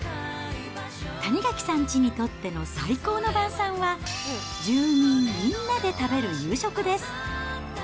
谷垣さんちにとっての最高の晩さんは、住民みんなで食べる夕食です。